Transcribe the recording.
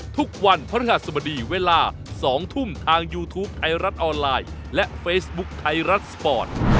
ทุกวันพระฤหัสบดีเวลา๒ทุ่มทางยูทูปไทยรัฐออนไลน์และเฟซบุ๊คไทยรัฐสปอร์ต